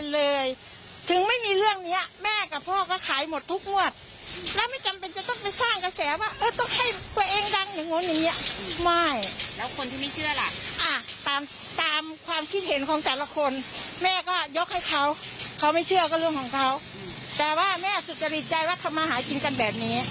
แล้วแม่สุดจะดีใจว่าทำมาหากินกันแบบนี้